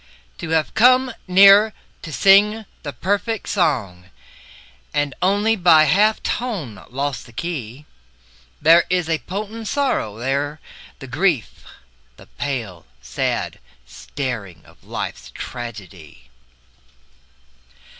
To have come near to sing the perfect song And only by a half tone lost the key, There is the potent sorrow, there the grief, The pale, sad staring of life's tragedy.